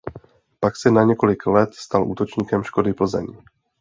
Pak se na několik let stal útočníkem Škody Plzeň.